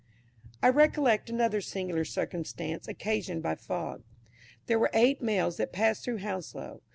I recollect another singular circumstance occasioned by a fog. There were eight Mails that passed through Hounslow.